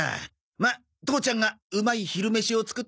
まっ父ちゃんがうまい昼飯を作ってやるよ。